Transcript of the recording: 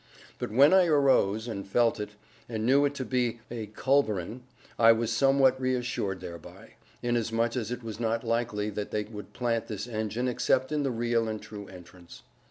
But when I arose, and felt it, and knew it to be a culverin, I was somewhat reassured thereby, inasmuch as it was not likely that they would plant this engine except in the real and true entrance.